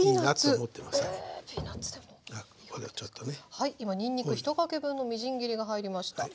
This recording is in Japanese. はい今にんにく１かけ分のみじん切りが入りました。